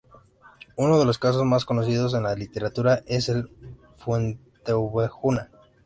Uno de los casos mas conocido en la literatura es el de Fuenteovejuna.